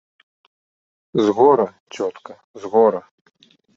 З гора, цётка, з гора.